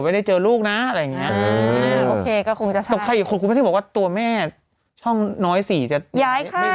มันเจอลูกนะอะไรอย่างเงี้ยก็คงจะใครคุกว่าตัวแม่ช่องน้อย๔จะย้ายไข้